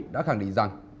đã khẳng định rằng